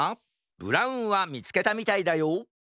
ブラウンはみつけたみたいだよ